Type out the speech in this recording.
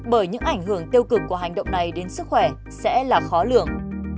bởi những ảnh hưởng tiêu cực của hành động này đến sức khỏe sẽ là khó lường